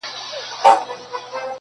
o چي تيار دي، هغه د يار دي٫